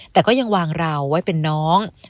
แต่ก็ยังวางเราไว้เป็นน้อง